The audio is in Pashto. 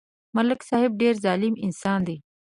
ملک صاحب ډېر ظالم انسان دی